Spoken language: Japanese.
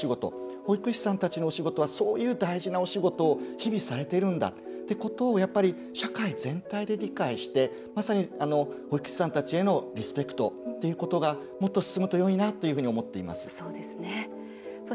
保育士さんたちのお仕事はそういう大事なお仕事を日々されているんだってことをやっぱり社会全体で理解してまさに保育士さんたちへのリスペクトっていうことがもっと進むとよいなと思います。